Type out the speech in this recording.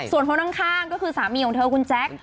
ส่วนคนข้างก็คือสามีของเธอคุณแจ๊ค